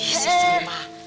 ih si sumpah